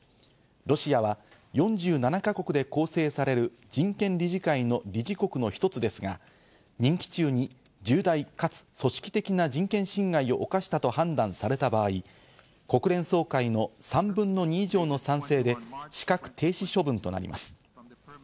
ロシアは４７か国で構成される人権理事会の理事国の一つですが、任期中に重大かつ組織的な人権侵害を犯したと判断された場合、国連総会の３分の２以上の賛成で資格停止処分となります。